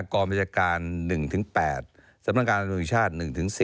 กองบัญชการ๑๘สำนักงานธุรกิจชาติ๑๑๐